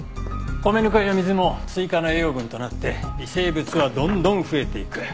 米ぬかや水も追加の栄養分となって微生物はどんどん増えていく。